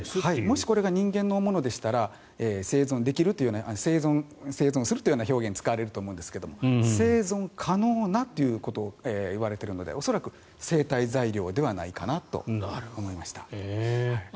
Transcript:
もしこれが人間のものでしたら生存するという表現を使われると思うんですが生存可能なということを言われているので恐らく生体材料ではないかなと思いました。